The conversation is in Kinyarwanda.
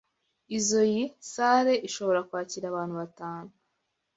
Izoi salle ishobora kwakira abantu batanu